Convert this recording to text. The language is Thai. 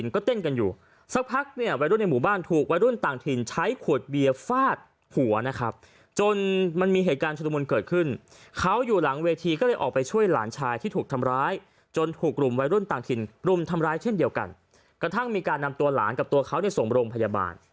ก็จะนะครับจนมันมีเหตุการณ์เฉลิมมนต์เกิดขึ้นเขาอยู่หลังเวทีก็เลยออกไปช่วยหลานชายที่ถูกทำร้ายจนถูกลุ่มวัยรุ่นต่างถิ่นลุ่มทำร้ายเช่นเดียวกันกระทั่งมีการนำตัวหลานกับตัวเขาในสมรมพยาบาล